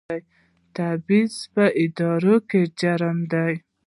تبعیض په اداره کې جرم دی